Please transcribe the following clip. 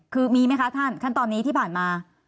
คือมีไหมคะท่านขั้นตอนนี้ที่ผ่านมา